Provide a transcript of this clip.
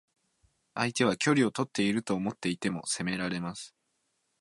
相手は距離をとっていると思っていても攻められます。